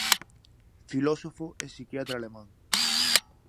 Filósofo e psiquiatra alemán.